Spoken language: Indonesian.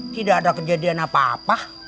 tidak ada kejadian apa apa